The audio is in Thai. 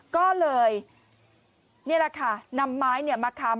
ก็เลยนี่แหละค่ะนำไม้มาค้ำ